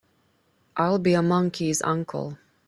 I'll be a monkey's uncle!